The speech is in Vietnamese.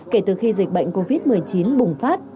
kể từ khi dịch bệnh covid một mươi chín bùng phát